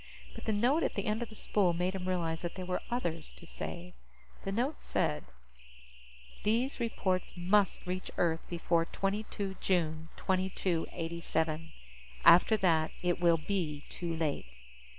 But the note at the end of the spool made him realize that there were others to save. The note said: _These reports must reach Earth before 22 June 2287. After that, it will be too late.